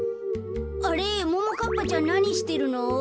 あれももかっぱちゃんなにしてるの？